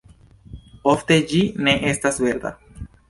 Ofte ĝi ne estas verda.